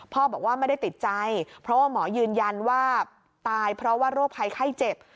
บอกว่าไม่ได้ติดใจเพราะว่าหมอยืนยันว่าตายเพราะว่าโรคภัยไข้เจ็บ